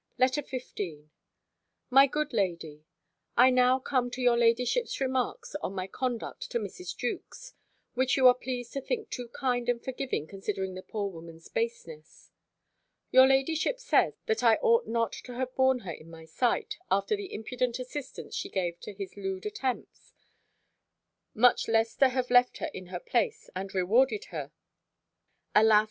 LETTER XV MY GOOD LADY, I now come to your ladyship's remarks on my conduct to Mrs. Jewkes: which you are pleased to think too kind and forgiving considering the poor woman's baseness. Your ladyship says, that I ought not to have borne her in my sight, after the impudent assistance she gave to his lewd attempts; much less to have left her in her place, and rewarded her. Alas!